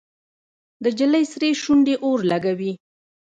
د نجلۍ سرې شونډې اور لګوي.